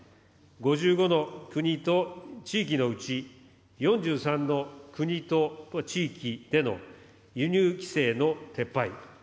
５５の国と地域のうち、４３の国と地域での輸入規制の撤廃。